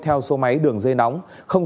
theo số máy đường dây nóng